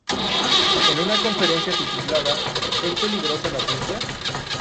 En una conferencia titulada ""¿Es peligrosa la ciencia?